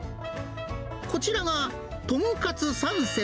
こちらがとんかつ三節。